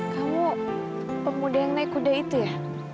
kamu pemuda yang naik kuda itu ya